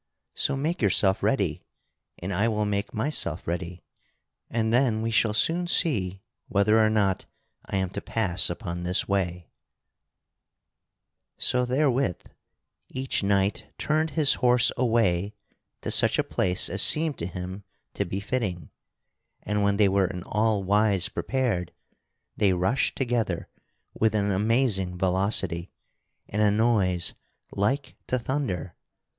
So make yourself ready, and I will make myself ready, and then we shall soon see whether or not I am to pass upon this way." [Sidenote: Sir Percival doeth battle with Sir Engeneron] So therewith each knight turned his horse away to such a place as seemed to him to be fitting; and when they were in all wise prepared they rushed together with an amazing velocity and a noise like to thunder.